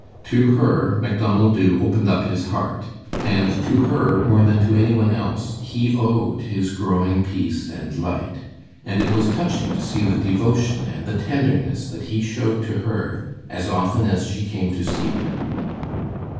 To her Macdonald Dubh opened up his heart, and to her, more than to any one else, he owed his growing peace and light; and it was touching to see the devotion and the tenderness that he showed to her as often as she came to see him.